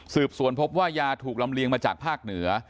สืบสวนพบว่ายาถูกลำเลียงมาจากภาคเหนือ